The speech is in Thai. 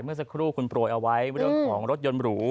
เมื่อสักครู่คุณโปรยเอาไว้เรื่องของรถยนต์หรู